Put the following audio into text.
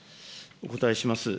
お答えします。